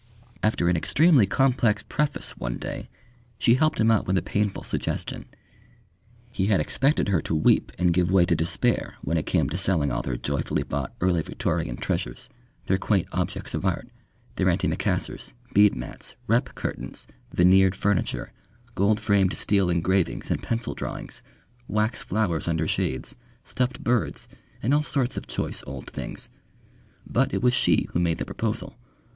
After an extremely complex preface one day, she helped him out with a painful suggestion. He had expected her to weep and give way to despair when it came to selling all their joyfully bought early Victorian treasures, their quaint objects of art, their antimacassars, bead mats, repp curtains, veneered furniture, gold framed steel engravings and pencil drawings, wax flowers under shades, stuffed birds, and all sorts of choice old things; but it was she who made the proposal.